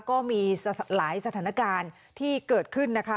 ก็มีหลายสถานการณ์ที่เกิดขึ้นนะคะ